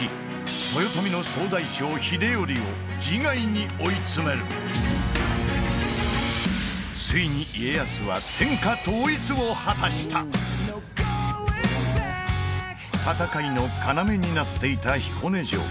豊臣の総大将秀頼を自害に追い詰めるついに家康は天下統一を果たした戦いの要になっていた彦根城